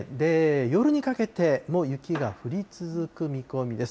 夜にかけても雪が降り続く見込みです。